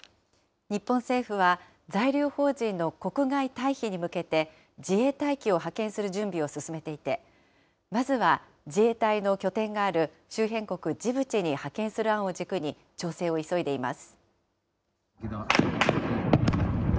日本政府は、在留邦人の国外退避に向けて、自衛隊機を派遣する準備を進めていて、まずは自衛隊の拠点がある周辺国ジブチに派遣する案を軸に調整を急いでいます。